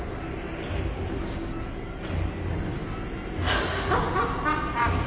ハッハハハハハ！